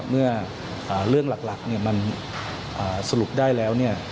เมื่อเรื่องหลักมันสรุปได้แล้ว